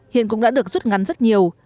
hiện cũng đã được rút ngắn rất nhiều